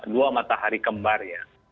dua matahari kembar ya